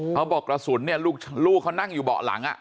เขาบอกกระสุนเนี้ยลูกลูกเขานั่งอยู่เบาะหลังอะ